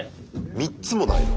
３つもないの？